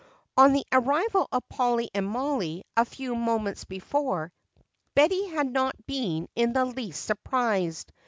On the arrival of Polly and Mollie a few moments before, Betty had not been in the least surprised.